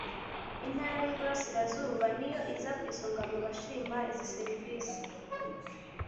Intara y Iburasirazuba niyo iza ku isonga mu bashima izi serivisi